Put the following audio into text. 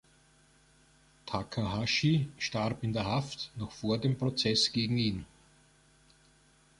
Takahashi starb in der Haft noch vor dem Prozess gegen ihn.